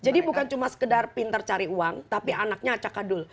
jadi bukan cuma sekedar pintar cari uang tapi anaknya acakadul